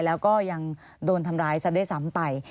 แล้วก็ยังโดนทำร้ายซะด้วยซ้ำไป